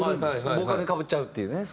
ボーカルにかぶっちゃうっていうね。